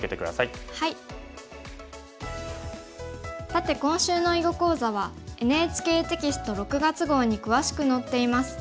さて今週の囲碁講座はＮＨＫテキスト６月号に詳しく載っています。